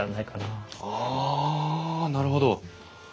ああなるほど。